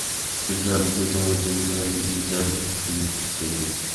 কিন্তু আমি যদি তোমাকে চিনি আমি জানি তুমি কি করবে।